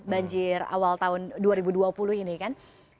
banjir awal tahun dua ribu dua puluh ini kan